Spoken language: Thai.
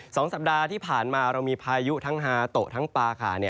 สองสัปดาห์ที่ผ่านมาเรามีพายุทั้งฮาโตะทั้งปาขา